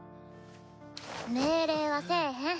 命令はせぇへん。